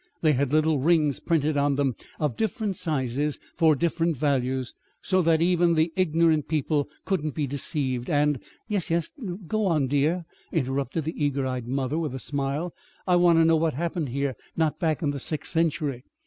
They had little rings printed on them of different sizes for different values, so that even the ignorant people couldn't be deceived, and " "Yes, yes, dear, but go on go on," interrupted the eager eyed mother, with a smile. "I want to know what happened here not back in the sixth century!"